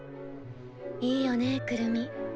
いいよね「くるみ」。